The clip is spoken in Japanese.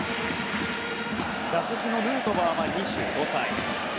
打席のヌートバーは２５歳。